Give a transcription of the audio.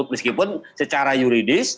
meskipun secara yuridis